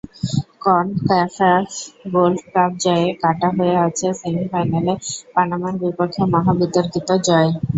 CONCACAF gold cup জয়ে কাঁটা হয়ে আছে সেমিফাইনালে পানামার বিপক্ষে মহা বিতর্কিত জয়।